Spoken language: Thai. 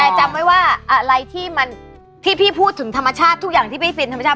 แต่จำไว้ว่าอะไรที่มันพี่พูดถึงธรรมชาติทุกอย่างที่พี่ฟินธรรมชาติ